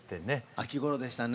秋ごろでしたね。